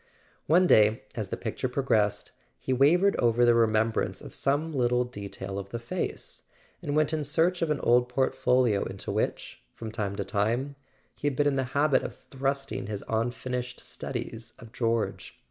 One day, as the picture progressed, he wavered over the remembrance of some little detail of the face, and went in search of an old portfolio into which, from time to time, he had been in the habit of thrusting his unfinished studies of George.